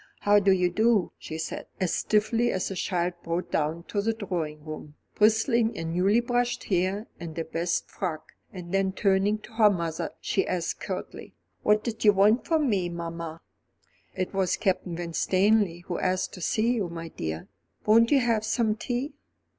"How do you do?" she said, as stiffly as a child brought down to the drawing room, bristling in newly brushed hair and a best frock, and then turning to her mother, she asked curtly: "What did you want with me, mamma?" "It was Captain Winstanley who asked to see you, my dear. Won't you have some tea?"